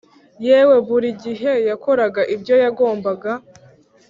yewe buri gihe yakoraga ibyo yagombaga